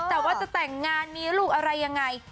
แต่ว่าจะแต่งงานมีลูกอะไรยังไง